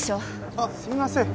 あっすいません。